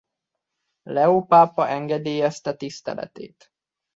Leó pápa engedélyezte tiszteletét.